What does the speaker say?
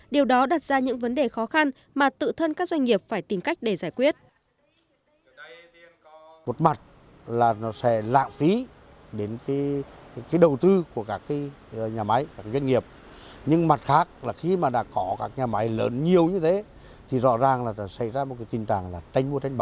điều đó đặt ra những vấn đề khó khăn mà tự thân các doanh nghiệp phải tìm cách để giải quyết